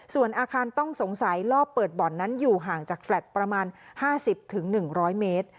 ส่วนอาคารต้องสงสัยลอบเปิดบ่อนนั้นอยู่ห่างจากแฟลต์ประมาณ๕๐๑๐๐เมตร